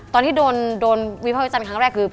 ตอนที่โดนวิพาพยุชันครั้งแรกคือ